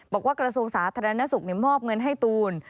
กระทรวงสาธารณสุขมอบเงินให้ตูน